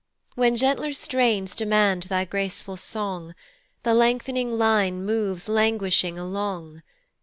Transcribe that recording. When gentler strains demand thy graceful song, The length'ning line moves languishing along.